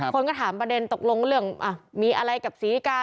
คนก็ถามประเด็นตกลงเรื่องมีอะไรกับศรีกา